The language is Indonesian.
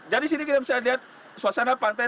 jadi di sini kita bisa lihat suasana pantai